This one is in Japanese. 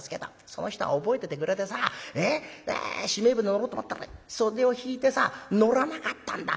その人が覚えててくれてさしめえ舟乗ろうと思ったら袖を引いてさ乗らなかったんだ。